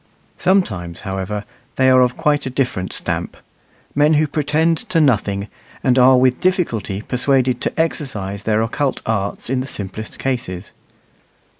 Sometimes, however, they are of quite a different stamp men who pretend to nothing, and are with difficulty persuaded to exercise their occult arts in the simplest cases.